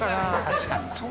◆確かに。